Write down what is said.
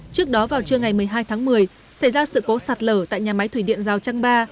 trước đó vào trưa ngày một mươi hai tháng một mươi xảy ra sự cố sạt lở tại nhà máy thủy điện giao trang ba